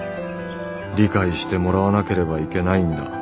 理解してもらわなければいけないんだ。